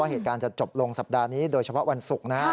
เหตุการณ์จะจบลงสัปดาห์นี้โดยเฉพาะวันศุกร์นะ